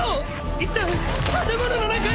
いったん建物の中へ逃げろ！